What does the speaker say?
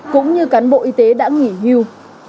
cũng như cán bộ y tế đã nghỉ hưu